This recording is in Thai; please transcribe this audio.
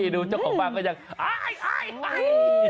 ดูเจ้าของบ้านก็ยังอ่ายอ่ายอ่าย